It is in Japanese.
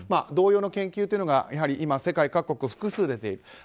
同様の研究というのがやはり今世界各国複数出ている。